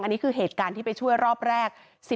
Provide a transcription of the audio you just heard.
อันนี้คือเหตุการณ์ที่ไปช่วยรอบแรก